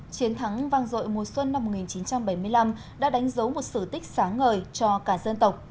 chiến thắng vang rội mùa xuân năm một nghìn chín trăm bảy mươi năm đã đánh dấu một sử tích sáng ngời cho cả dân tộc